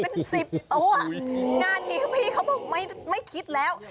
เป็นสิบตัวอ่ะงานนี้พี่เขาบอกไม่ไม่คิดแล้ว